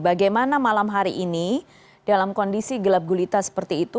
bagaimana malam hari ini dalam kondisi gelap gulita seperti itu